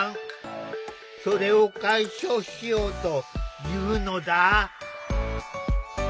それを解消しようというのだ。